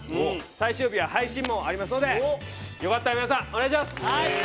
最終日は配信もありますのでよかったら皆さんお願いします！